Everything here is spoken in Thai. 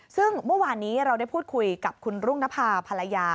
ซึ่งเมื่อวานนี้เราได้พูดคุยกับคุณรุ่งนภาพร่า